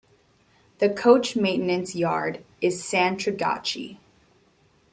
The coach maintenance yard is in Santragachi.